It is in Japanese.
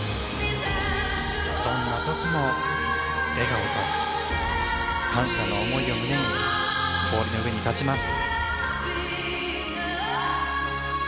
どんな時も笑顔と感謝の思いを胸に氷の上に立ちます。